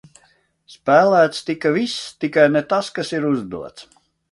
Spēlēts tika viss, tikai ne tas, kas ir uzdots.